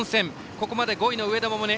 ここまで５位の上田百寧。